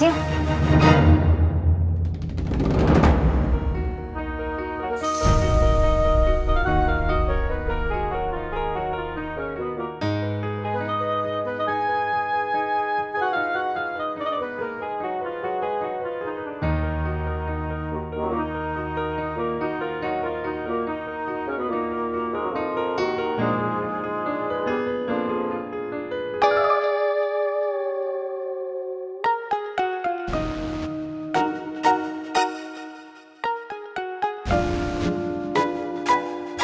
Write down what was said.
silakan pak komar